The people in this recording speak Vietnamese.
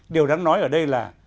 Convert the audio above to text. điều đáng nói ở đây là